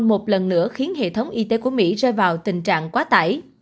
một lần nữa khiến hệ thống y tế của mỹ rơi vào tình trạng quá tải